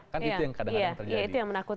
kan itu yang kadang kadang terjadi